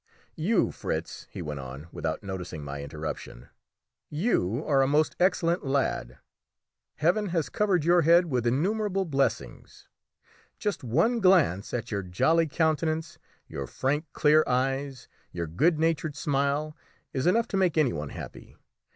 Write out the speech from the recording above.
"You, Fritz," he went on, without noticing my interruption, "you are a most excellent lad; Heaven has covered your head with innumerable blessings; just one glance at your jolly countenance, your frank, clear eyes, your good natured smile, is enough to make any one happy.